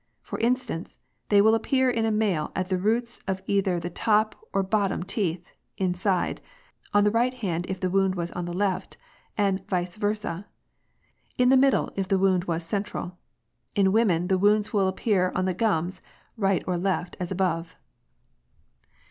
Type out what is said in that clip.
For instance, they will appear in a male at the roots of either the top or bottom teeth, inside ; on the right hand if the wound was on the left, and vice versd; in the middle if the wound was central. In women, the wounds will appear on the gums right or left as above."